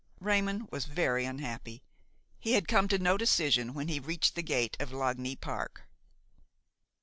Raymon was very unhappy. He had come to no decision when he reached the gate of Lagny park.